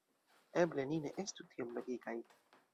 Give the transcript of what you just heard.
Eble ni ne estu tiom logikaj.